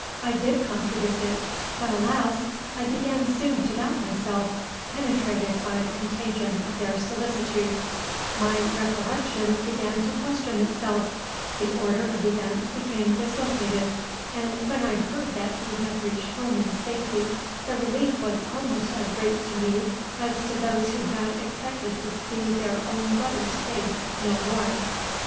I did contradict it; but, alas! I began soon to doubt myself, penetrated by the contagion of their solicitude; my recollection began to question itself; the order of events became dislocated; and when I heard that he had reached home in safety, the relief was almost as great to me as to those who had expected to see their own brother's face no more.